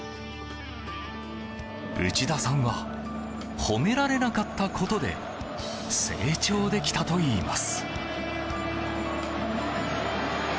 内田さんは褒められなかったことで成長できたといいます。